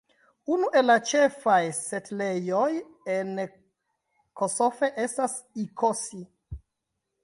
Unu el la ĉefaj setlejoj en Kosofe estas Ikosi.